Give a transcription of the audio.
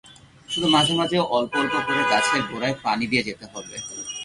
শুধু মাঝে মাঝে অল্প অল্প করে গাছের গোড়ায় পানি দিয়ে যেতে হবে।